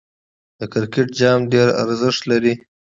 د کرکټ جام ډېر ارزښت لري.